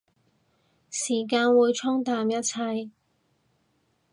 時間會沖淡一切